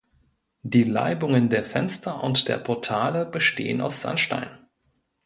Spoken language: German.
Die Laibungen der Fenster und der Portale bestehen aus Sandstein.